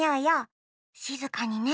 しずかにね。